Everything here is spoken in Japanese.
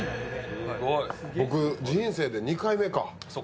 僕、人生で２回目か。